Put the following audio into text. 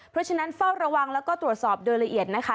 เพราะฉะนั้นเฝ้าระวังแล้วก็ตรวจสอบโดยละเอียดนะคะ